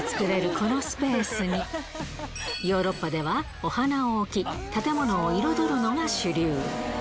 このスペースに、ヨーロッパではお花を置き、建物を彩るのが主流。